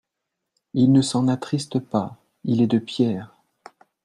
Il ne s'en attriste pas: il est de pierre.